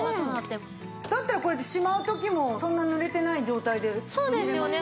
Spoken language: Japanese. だったらこれでしまう時もそんな濡れてない状態で入れられますね。